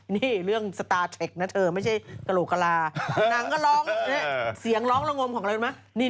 นี่เรื่องสตาร์เทคนะเธอไม่ใช่กระโหลกกะลานางก็ร้องเสียงร้องระงมของอะไรรู้ไหม